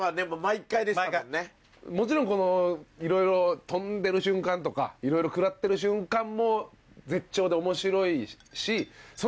もちろんこのいろいろ飛んでる瞬間とかいろいろ食らってる瞬間も絶頂で面白いし。